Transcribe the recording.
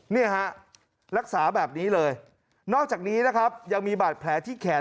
เนี่ยฮะรักษาแบบนี้เลยนอกจากนี้นะครับยังมีบาดแผลที่แขน